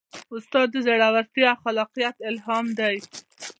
استاد د زړورتیا او خلاقیت الهام دی.